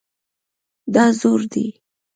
دا زوړ دی